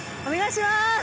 お願いします。